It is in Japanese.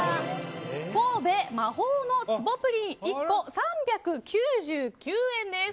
神戸魔法の壷プリン１個３９９円です。